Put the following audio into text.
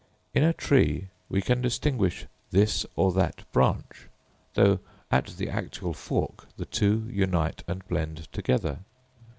In a tree we can distinguish this or that branch, though at the actual fork the two unite and blend together.